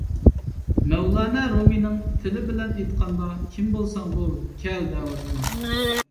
مەۋلانا رۇمىينىڭ تىلى بىلەن ئېيتقاندا، كىم بولساڭ بول، كەل، دەۋاتىدۇ.